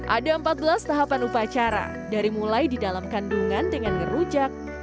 ada empat belas tahapan upacara dari mulai di dalam kandungan dengan ngerujak